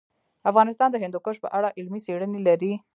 افغانستان د هندوکش په اړه علمي څېړنې لري.